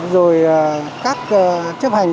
rồi chấp hành